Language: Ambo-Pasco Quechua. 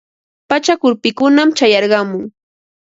Pachak urpikunam chayarqamun.